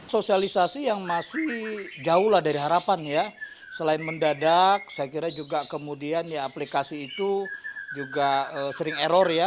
sosialisasi yang masih jauh dari harapan selain mendadak saya kira juga kemudian aplikasi itu sering error